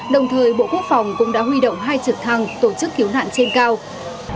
đồng thời bộ quốc phòng cũng đã huy động hai trực thăng tổ chức cứu nạn trên cao